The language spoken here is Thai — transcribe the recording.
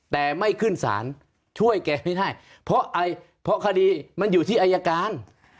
แต่ไม่ขึ้นสารช่วยแกไม่ได้เพราะอะไรเพราะคดีมันอยู่ที่อายการ